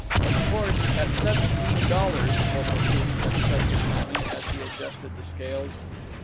"Of course, at seventeen dollars," Porportuk had said to Tommy, as he adjusted the scales.